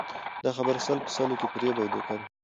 دا خبره سل په سلو کې فریب او دوکه ده